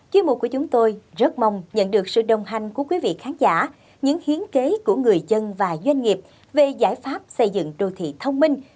chuyên mục của chúng tôi rất mong nhận được sự đồng hành của quý vị khán giả những hiến kế của người dân và doanh nghiệp về giải pháp xây dựng đô thị thông minh